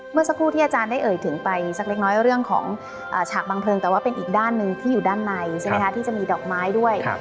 เมื่อสักครู่ที่อาจารย์ได้เอ่ยถึงไปสักเล็กน้อยเรื่องของฉากบางเพลิงแต่ว่าเป็นอีกด้านหนึ่งที่อยู่ด้านในใช่ไหมคะที่จะมีดอกไม้ด้วย